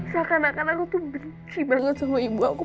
seakan akan aku tuh benci banget sama ibu aku